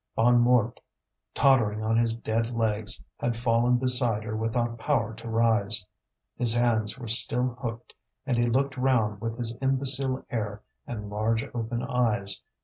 Bonnemort, tottering on his dead legs, had fallen beside her without power to rise. His hands were still hooked, and he looked round with his imbecile air and large open eyes.